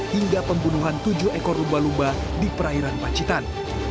hingga pembunuhan tujuh ekor lumba lumba di perairan pacitan